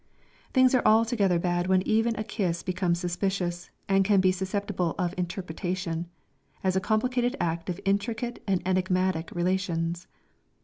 Things are altogether bad when even a kiss becomes suspicious and can be susceptible of "interpretation," as a complicated act of intricate and enigmatic relations!